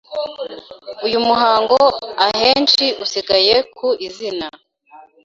Uyu muhango ahenshi usigaye ku izina,